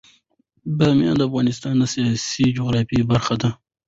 بامیان د افغانستان د سیاسي جغرافیه برخه ده.